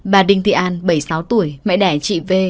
bà đinh thị an bảy mươi sáu tuổi mẹ đẻ chị v